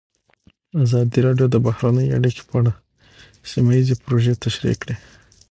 ازادي راډیو د بهرنۍ اړیکې په اړه سیمه ییزې پروژې تشریح کړې.